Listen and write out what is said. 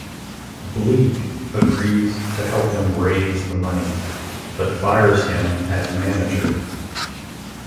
Bleek agrees to help him raise the money, but fires him as manager.